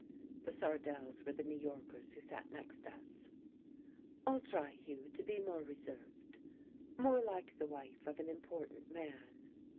The Sardells were the New Yorkers who sat next us. "I'll try, Hugh, to be more reserved, more like the wife of an important man."